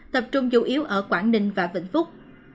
tập trung chủ yếu ở quảng ninh và vĩnh phúc